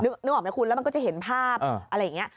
นึกออกไหมคุณแล้วมันก็จะเห็นภาพอะไรอย่างนี้